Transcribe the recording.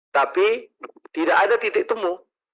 tapi tidak ada titik temu